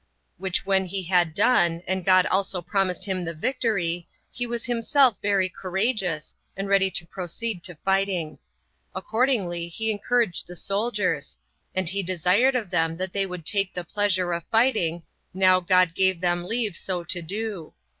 which when he had done, and God also promised him the victory, he was himself very courageous, and ready to proceed to fighting. Accordingly he encouraged the soldiers; and he desired of them that they would take the pleasure of fighting, now God gave them leave so to do.